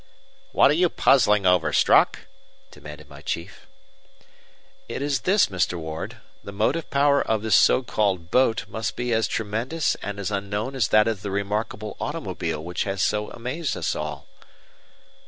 "What are you puzzling over, Strock?" demanded my chief. "It is this, Mr. Ward; the motive power of this so called boat must be as tremendous and as unknown as that of the remarkable automobile which has so amazed us all."